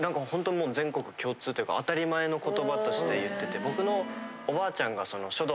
もう全国共通というか当たり前の言葉として言ってて僕の。